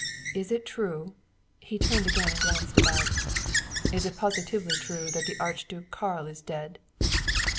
"Is it true" he turned again and glanced about "is it positively true that the Archduke Karl is dead?"